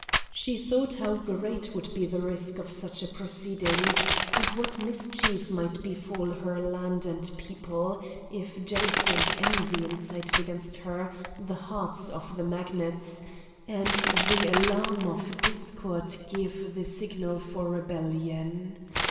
She thought how great would be the risk of such a proceeding, and what mischief might befal her land and people, if jealousy and envy incited against her the hearts of the Magnates, and the alarm of discord give the signal for rebellion.